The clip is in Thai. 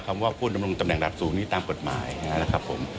คำว่าผู้ดำรงตำแหนระดับสูงนี่ตามกฎหมายนะครับผม